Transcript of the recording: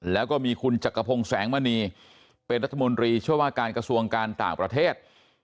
แล้วก็มีคุณจักรพงศ์แสงมณีเป็นรัฐมนตรีช่วยว่าการกระทรวงการต่างประเทศ